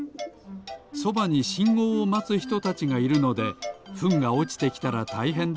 そばにしんごうをまつひとたちがいるのでフンがおちてきたらたいへんです。